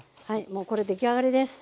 もうこれ出来上がりです。